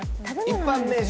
一般名称？